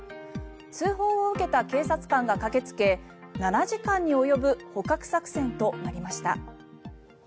通報を受けた警察官が駆けつけ７時間に及ぶ捕獲作戦となりました。